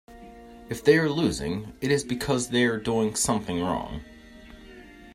If they are losing, it is because they're doing something wrong.